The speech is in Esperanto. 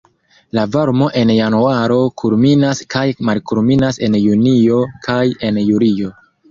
La varmo en januaro kulminas kaj malkulminas en junio kaj en julio.